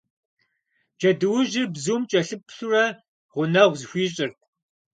Джэдуужьыр бзум кӀэлъыплъурэ, гъунэгъу зыхуищӀырт.